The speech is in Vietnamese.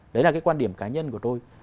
cái quan điểm cá nhân của tôi